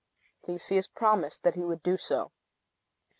Theseus promised that he would do so.